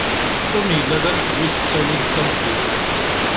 Tom yella d ameḥbus ttawin d tamtilt.